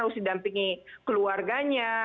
harus didampingi keluarganya